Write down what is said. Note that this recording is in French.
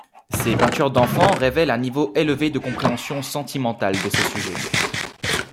Ses peintures d'enfants révèlent un niveau élevé de compréhension sentimentale de ses sujets.